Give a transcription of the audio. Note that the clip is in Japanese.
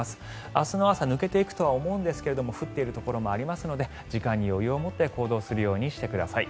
明日の朝、抜けていくとは思うんですが降っているところもありますので時間に余裕を持って行動するようにしてください。